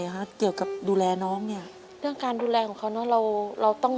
หรือเรื่องดูรักน้อง